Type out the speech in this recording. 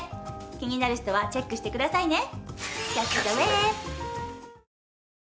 気になる人はチェックしてくださいね。